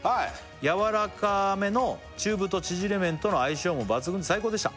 「やわらかめの中太縮れ麺との相性も抜群で最高でした」